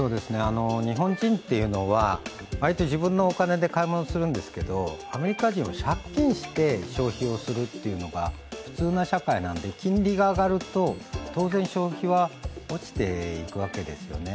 日本人っていうのは割と自分のお金で買い物をするんですけどアメリカ人は借金して消費をするというのが普通な社会なので金利が上がると当然、消費は落ちていくわけですよね。